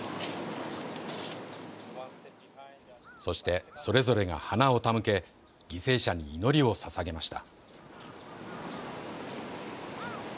そしてそれぞれが花を手向け犠牲者に祈りをささげました。